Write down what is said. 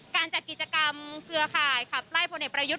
การจัดกิจกรรมเครือข่ายขับไล่พลเอกประยุทธ์